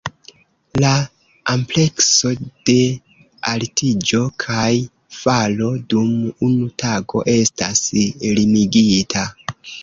La amplekso de altiĝo kaj falo dum unu tago estas limigita.